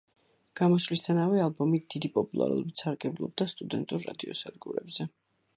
გამოსვლისთანავე ალბომი დიდი პოპულარობით სარგებლობდა სტუდენტურ რადიოსადგურებზე.